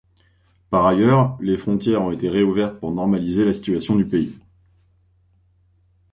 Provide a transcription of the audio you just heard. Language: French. Par ailleurs, les frontières ont été rouvertes pour normaliser la situation du pays.